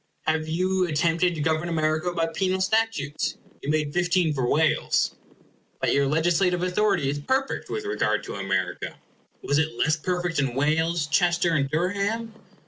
Have you at tempted to govern America by penal statutes? You made fifteen for Wales. But your legislative authority is perfect with regard to America. Was it less perfect in Wales, Chester, and Durham?